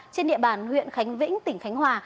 trên địa bàn huyện khánh vĩnh tỉnh khánh hòa